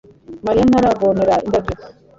Mariya ntaravomera indabyo